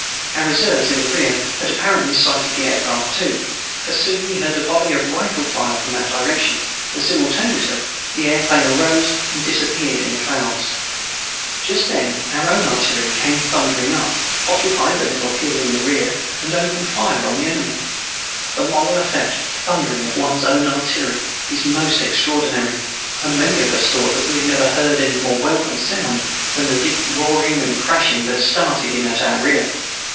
Our reserves in the rear had apparently sighted the air craft too, for soon we heard a volley of rifle fire from that direction and simultaneously the aeroplane arose and disappeared in the clouds. Just then our own artillery came thundering up, occupied a little hill in the rear and opened fire on the enemy. The moral effect of the thundering of one's own artillery is most extraordinary, and many of us thought that we had never heard any more welcome sound than the deep roaring and crashing that started in at our rear.